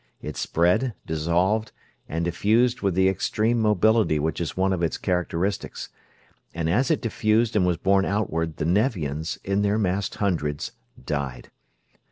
It spread, dissolved, and diffused with the extreme mobility which is one of its characteristics; and as it diffused and was borne outward the Nevians, in their massed hundreds, died.